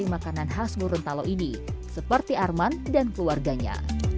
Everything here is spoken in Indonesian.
dan juga untuk menikmati makanan khas gorontalo ini seperti arman dan keluarganya